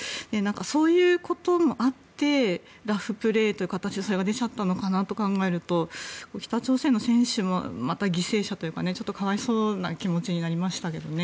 そういうこともあってラフプレーという形でそれが出ちゃったのかなと考えると北朝鮮の選手もまた犠牲者というかちょっと可哀想な気持ちになりましたけどね。